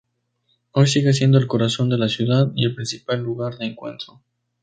Hoy sigue siendo el corazón de la ciudad y el principal lugar de encuentro.